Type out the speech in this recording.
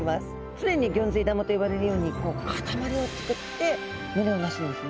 常にギョンズイ玉と呼ばれるように固まりを作って群れをなすんですね。